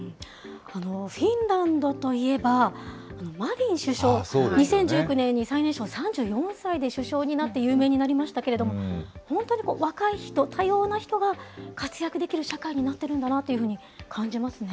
フィンランドといえばマリン首相、２０１９年に最年少３４歳で首相になって有名になりましたけれども、本当に若い人、多様な人が、活躍できる社会になってるんだなというふうに感じますね。